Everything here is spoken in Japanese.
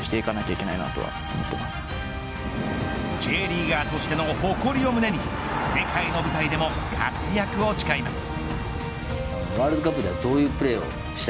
Ｊリーガーとしての誇りを胸に世界の舞台でも活躍を誓います。